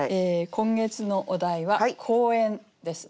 今月のお題は「公園」ですね。